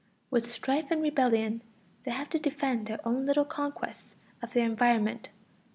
With strife and rebellion they have to defend their own little conquests of their environment.